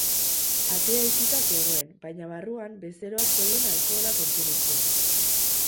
Atea itxita zegoen, baina barruan bezeroak zeuden alkohola kontsumitzen.